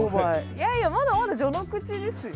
いやいやまだまだ序の口ですよ。